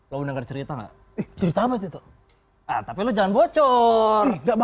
lo denger cerita nggak cerita apa itu tapi lo jangan bocor